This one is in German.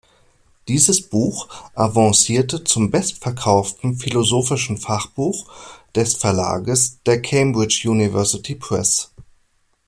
Dieses Buch avancierte zum bestverkauften philosophischen Fachbuch des Verlages, der Cambridge University Press.